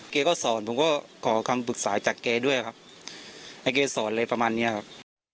ก็ขอคำปรึกษาจากเกย์ด้วยครับให้เกย์สอนเลยประมาณนี้ครับ